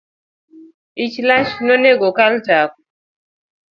Ich lach nonego okal tako